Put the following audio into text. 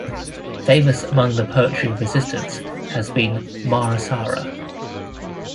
Famous among the 'poetry of resistance' has been "Mahasara".